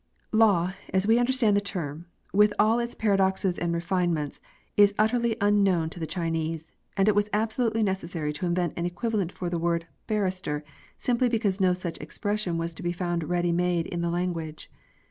Law,* as we understand the term, with all its para doxes and refinements, is utterly unknown to the Chinese, and it was absolutely necessary to invent an equivalent for the word " barrister," simply because no such expression was to be found ready made in the language.